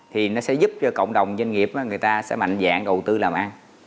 thì nó sẽ giúp cho cộng đồng doanh nghiệp người ta sẽ mạnh dạng đầu tư làm ăn